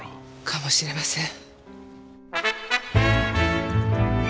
かも知れません。